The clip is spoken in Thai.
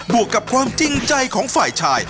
วกกับความจริงใจของฝ่ายชาย